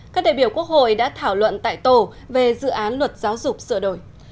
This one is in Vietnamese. các đại biểu quốc hội đã thảo luận tại tổ về dự án luật giáo dục sửa đổi